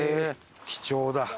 貴重だ。